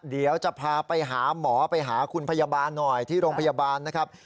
เดี๋ยวจะพาไปหาหมอไปหาคุณพยาบาลหน่อยที่โรงพยาบาลนะครับ